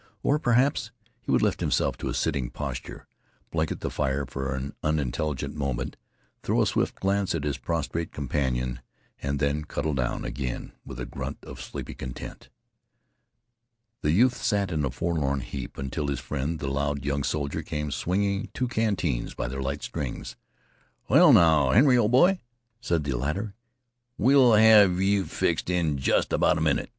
Or, perhaps, he would lift himself to a sitting posture, blink at the fire for an unintelligent moment, throw a swift glance at his prostrate companion, and then cuddle down again with a grunt of sleepy content. The youth sat in a forlorn heap until his friend the loud young soldier came, swinging two canteens by their light strings. "Well, now, Henry, ol' boy," said the latter, "we'll have yeh fixed up in jest about a minnit."